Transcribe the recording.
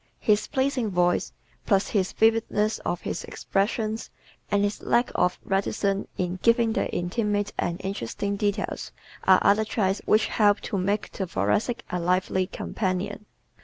His pleasing voice plus the vividness of his expressions and his lack of reticence in giving the intimate and interesting details are other traits which help to make the Thoracic a lively companion.